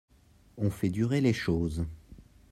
On fait durer les choses.